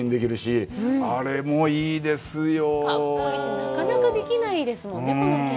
格好いいし、なかなかできないですもんね。